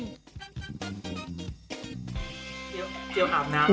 เดี๋ยวอาบน้ำ